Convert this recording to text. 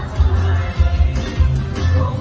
สวัสดีครับ